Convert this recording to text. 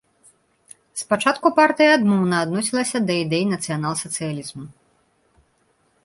Спачатку партыя адмоўна адносілася да ідэі нацыянал-сацыялізму.